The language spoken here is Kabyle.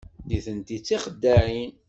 Nitenti d tixeddaɛin.